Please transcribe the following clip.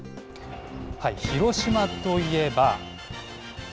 広島といえば。